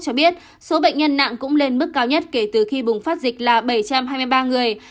cho biết số bệnh nhân nặng cũng lên mức cao nhất kể từ khi bùng phát dịch là bảy trăm hai mươi ba người